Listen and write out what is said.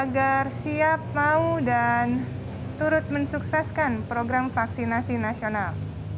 bersiap mau dan turut mensukseskan program vaksinasi nasional